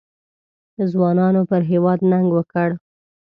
ځوانانو پر هېواد ننګ وکړ.